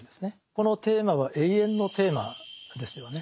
このテーマは永遠のテーマですよね。